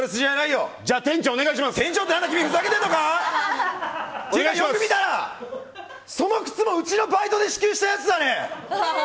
よく見たらその靴も家で支給したやつだね！